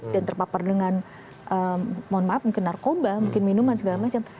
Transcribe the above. dan terpapar dengan mohon maaf mungkin narkoba mungkin minuman segala macam